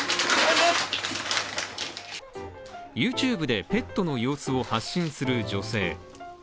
ＹｏｕＴｕｂｅでペットの様子を発信する女性。